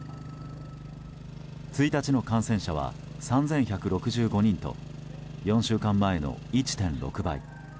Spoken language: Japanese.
１日の感染者は３１６５人と４週間前の１．６倍。